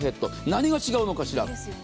何が違うのかしら？